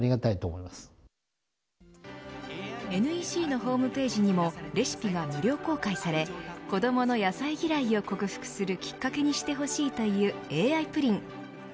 ＮＥＣのホームページにもレシピが無料公開され子どもの野菜嫌いを克服するきっかけにしてほしいというＡＩプリン。